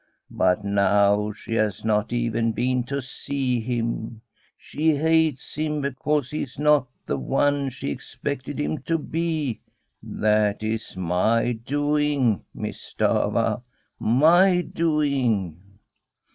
But now she has not even been to see him. She hates him because he is not the one she expected him to be. That is my doing, Miss Stafva, my doing.'